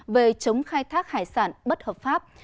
về chống khai thác hải sản bất hợp pháp